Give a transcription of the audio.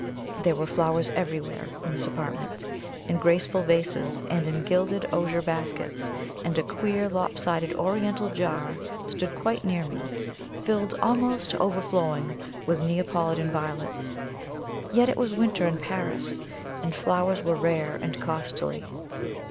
There were flowers everywhere in this apartment in graceful vases and in gilded osier baskets and a queer lop sided Oriental jar stood quite near me, filled almost to overflowing with Neapolitan violets. Yet it was winter in Paris, and flowers were rare and costly.